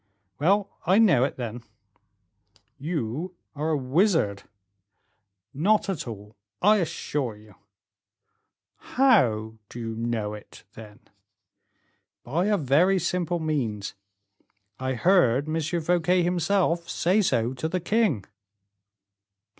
"Well, I know it, then." "You are a wizard." "Not at all, I assure you." "How do you know it, then?" "By a very simple means. I heard M. Fouquet himself say so to the king."